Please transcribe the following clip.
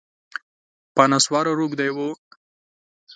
په نسوارو روږدی و